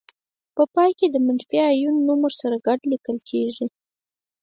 په پای کې د منفي آیون نوم ورسره ګډ لیکل کیږي.